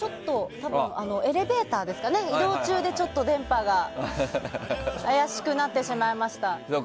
エレベーターで移動中で電波が怪しくなってしまいました。